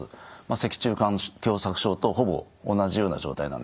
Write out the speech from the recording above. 脊柱管狭窄症とほぼ同じような状態なんですね。